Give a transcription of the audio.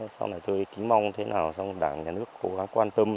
sau này tôi kính mong thế nào sau đó đảng nhà nước cố gắng quan tâm